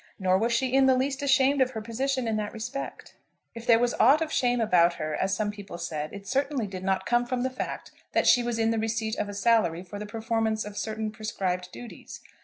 Nor was she in the least ashamed of her position in that respect. If there was aught of shame about her, as some people said, it certainly did not come from the fact that she was in the receipt of a salary for the performance of certain prescribed duties.